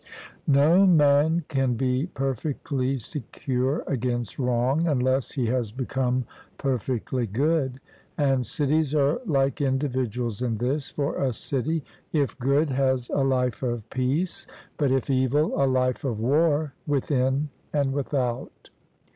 No man can be perfectly secure against wrong, unless he has become perfectly good; and cities are like individuals in this, for a city if good has a life of peace, but if evil, a life of war within and without.